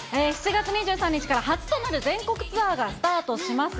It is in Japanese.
７月２３日から初となる全国ツアーがスタートします。